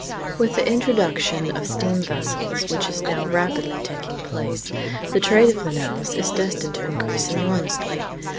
With the introduction of steam vessels, which is now rapidly taking place, the trade of Manaos is destined to increase enormously.